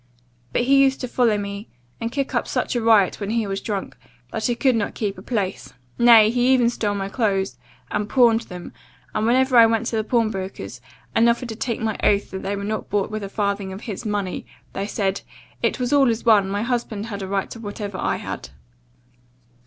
but he used to follow me, and kick up such a riot when he was drunk, that I could not keep a place; nay, he even stole my clothes, and pawned them; and when I went to the pawnbroker's, and offered to take my oath that they were not bought with a farthing of his money, they said, 'It was all as one, my husband had a right to whatever I had.